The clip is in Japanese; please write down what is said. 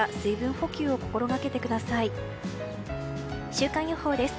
週間予報です。